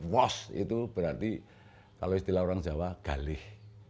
wash itu berarti kalau istilah orang jawa galih